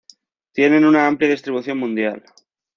Tienen una amplia distribución mundial.